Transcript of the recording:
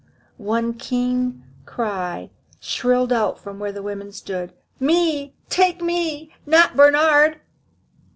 One keen cry shrilled out from where the women stood: "Me! take me! not Bernhard!"